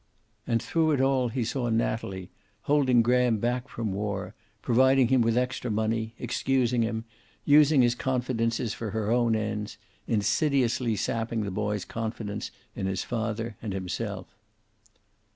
And through it all he saw Natalie, holding Graham back from war, providing him with extra money, excusing him, using his confidences for her own ends, insidiously sapping the boy's confidence in his father and himself.